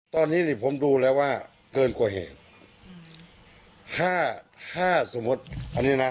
ตอนนี้นี่ผมดูแล้วว่าเกินกว่าเหตุอืมห้าห้าสมมุติอันนี้นะ